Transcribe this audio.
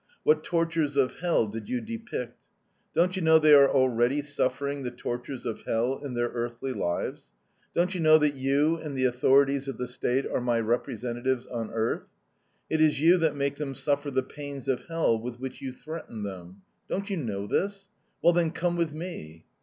What tortures of hell did you depict? Don't you know they are already suffering the tortures of hell in their earthly lives? Don't you know that you and the authorities of the State are my representatives on earth? It is you that make them suffer the pains of hell with which you threaten them. Don't you know this? Well, then, come with me!'